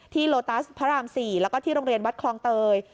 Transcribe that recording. โลตัสพระราม๔แล้วก็ที่โรงเรียนวัดคลองเตย